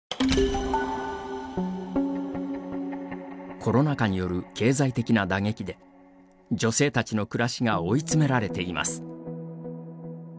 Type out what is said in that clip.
コロナ禍による経済的な打撃で女性たちの暮らしが追い詰められています。